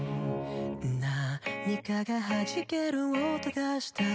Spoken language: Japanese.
「何かが弾ける音がした」